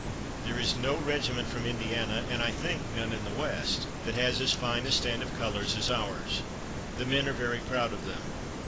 There is no regiment from Indiana and I think none in the West that has as fine a stand of colors as ours. The men are very proud of them."